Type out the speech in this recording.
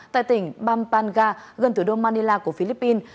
tại tỉnh bampanga gần thủ đô manila của philippines